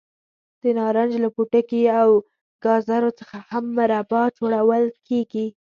د نارنج له پوټکي او ګازرو څخه هم مربا جوړول کېږي.